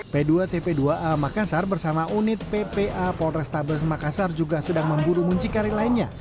p dua tp dua a makassar bersama unit ppa polrestabes makassar juga sedang memburu muncikari lainnya